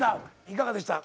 いかがでした？